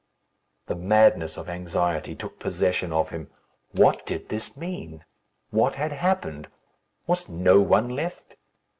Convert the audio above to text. The madness of anxiety took possession of him. What did this mean? What had happened? Was no one left?